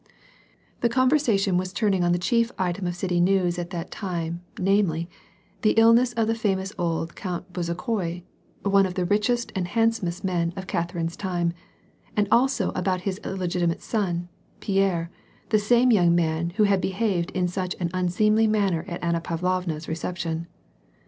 The conversation was turning on the chief item of city news at that time namely, the illness of the famous old Count Bezukhoi, one of the richest and handsomest men of Catherine's time, and also about his illegitimate son, Pierre, the same young man who had behaved in such an unseemly manner at Anna Pavlovna's reception.